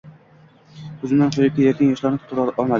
Ko`zimdan quyilib kelayotgan yoshlarni to`xtata olmadim